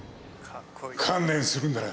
観念するんだな。